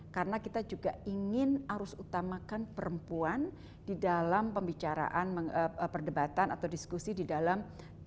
karena kita juga ingin harus utamakan perempuan di dalam pembicaraan perdebatan atau diskusi di dalam g dua puluh